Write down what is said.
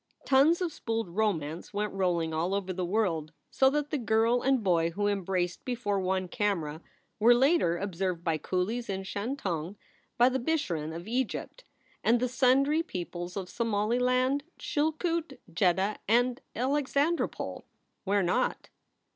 Tons of spooled romance went rolling all over the world, so that the girl and boy who embraced before one camera were later observed by coolies in Shantung, by the Bisharin of Egypt, and the sundry peoples of Somaliland, Chilkoot, Jedda, and Alexandropol where not?